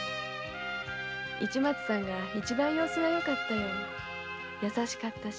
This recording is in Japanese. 市松さんが一番様子が良かったよ優しかったし。